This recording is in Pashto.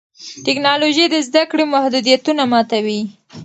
ټیکنالوژي د زده کړې محدودیتونه ماتوي.